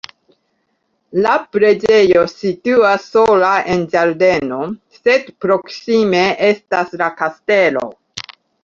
La preĝejo situas sola en ĝardeno, sed proksime estas la kastelo.